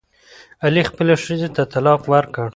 علي خپلې ښځې ته طلاق ورکړ.